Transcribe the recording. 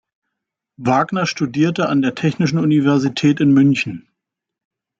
Wagner studierte an der Technischen Universität in München.